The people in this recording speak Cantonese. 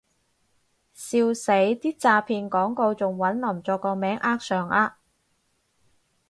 笑死，啲詐騙廣告仲搵林作個名呃上呃